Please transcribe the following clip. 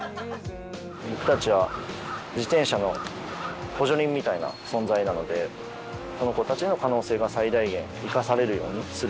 僕たちは自転車の補助輪みたいな存在なのでその子たちの可能性が最大限生かされるようにする。